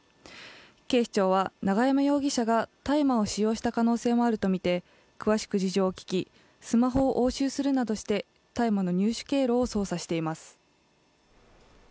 警視庁は永山容疑者が大麻を使用した可能性もあるとみていて詳しく事情を聴き、スマホを押収するなどして大麻の入手経路を捜査しています。